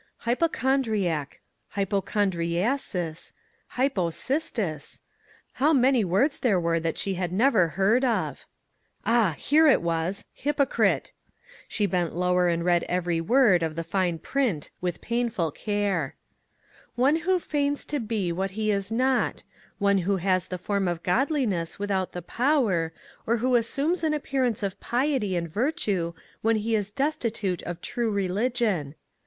" Hypochondriac, hypochondriasis, hypo cistis !" how many words there were that she had never heard of. Ah ! here it was :" Hypo crite !" She bent lower and read every word of the fine print with painful care. " One who MAG AND MARGARET feigns to be what he is not; one who has the form of godliness without the power, or who assumes an appearance of piety and virtue when he is destitute of true religion."